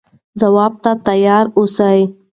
ځواب ته تیار اوسئ.